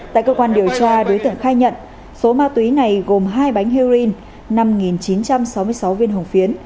tại cơ quan điều tra đối tượng khai nhận số ma túy này gồm hai bánh heroin năm chín trăm sáu mươi sáu viên hồng phiến